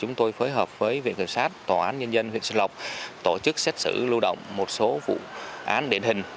chúng tôi phối hợp với viện kiểm soát tòa án nhân dân viện xin lọc tổ chức xét xử lưu động một số vụ án điển hình